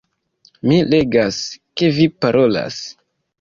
Mi legas, ke vi parolas